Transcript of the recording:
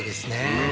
うん